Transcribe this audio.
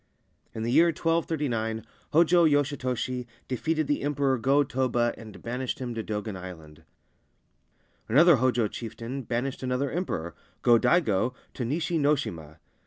In the year 1239 ^°j° Yoshitoshi defeated the Emperor Go Toba and banished him to Dogen Island. Another Hojo chieftain banished another Emperor, Go Daigo, to Nishi no shima.